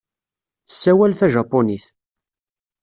Tessawal tajapunit.